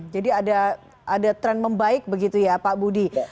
jadi ada tren membaik begitu ya pak budi